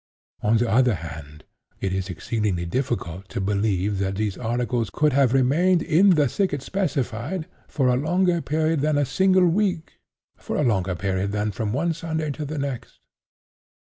On the other hand, it is exceedingly difficult to believe that these articles could have remained in the thicket specified, for a longer period than a single week—for a longer period than from one Sunday to the next.